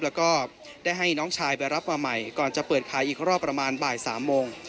แล้วก็ได้ให้น้องชายไปรับมาใหม่ก่อนจะเปิดขายอีกรอบประมาณบ่าย๓โมง